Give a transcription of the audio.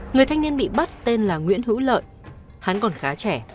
người thanh niên bị bắt tên là nguyễn hữu lợi hắn còn khá trẻ